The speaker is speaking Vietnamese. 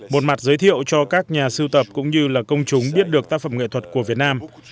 một mặt giới thiệu cho các nhà sưu tập cũng như là công chúng biết được tác phẩm nghệ thuật của việt nam